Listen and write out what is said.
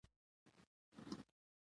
له یوه کلي تر بل به ساعتونه